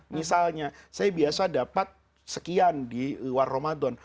misalnya saya biasa dapat sekian di luar ramadan